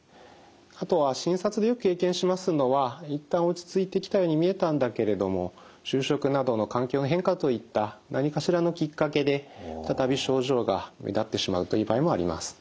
あとは診察でよく経験しますのは一旦落ち着いてきたように見えたんだけれども就職などの環境の変化といった何かしらのきっかけで再び症状が目立ってしまうという場合もあります。